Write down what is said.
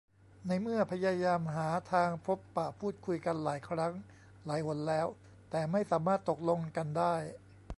ในเมื่อพยายามหาทางพบปะพูดคุยกันหลายครั้งหลายหนแล้ว แต่ไม่สามารถตกลงกันได้